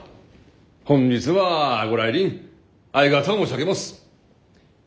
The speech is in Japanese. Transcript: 本日はご来臨ありがとう申し上げます。